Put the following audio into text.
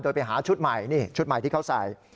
โดยไปหาชุดใหม่นี่ชุดใหม่ที่เขาใส่